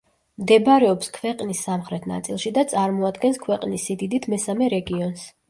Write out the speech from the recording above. მდებარეობს ქვეყნის სამხრეთ ნაწილში და წარმოადგენს ქვეყნის სიდიდით მესამე რეგიონს.